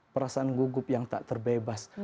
perasaan gugup yang tak terbebas